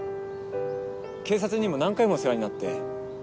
警察にも何回も世話になって。